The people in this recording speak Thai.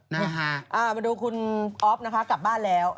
มาดูคุณอ๊อฟนะคะกลับบ้านแล้ว